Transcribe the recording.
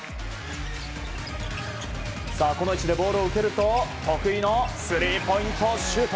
この位置でボールを受けると得意のスリーポイントシュート。